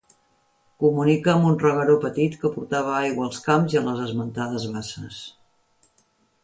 Comunica amb un regueró petit que portava aigua als camps i a les esmentades basses.